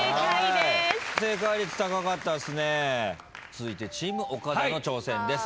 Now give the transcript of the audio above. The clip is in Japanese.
続いてチーム岡田の挑戦です。